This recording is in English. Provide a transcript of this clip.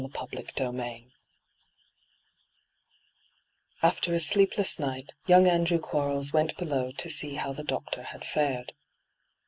hyGoogIc CHAPTER IV After a sleepless night, young Andrew Quarles went below to see how the doctor had fared.